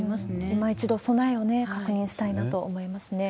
いま一度備えを確認したいなと思いますね。